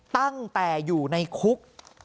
ตั้งแต่อยู่ในคุก